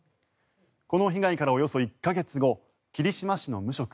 この被害からおよそ１か月後霧島市の無職